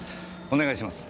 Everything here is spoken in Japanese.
お願いします。